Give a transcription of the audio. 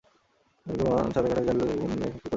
মুগ্ধা মা, সাঁতার কাটতে জানলেও বা এখন কী করবে?